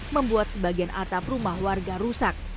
membuat sebagian atap rumah warga rusak